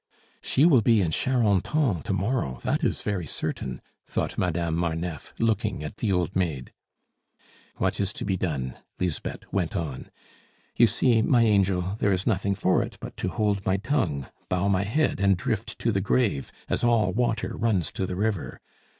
"She will be in Charenton to morrow, that is very certain," thought Madame Marneffe, looking at the old maid. "What is to be done?" Lisbeth went on. "You see, my angel, there is nothing for it but to hold my tongue, bow my head, and drift to the grave, as all water runs to the river.